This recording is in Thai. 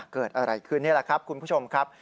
เกิดอะไรขึ้นนี่แหละครับคุณผู้ชมครับ